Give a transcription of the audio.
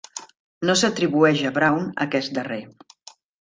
No s'atribueix a Brown aquest darrer.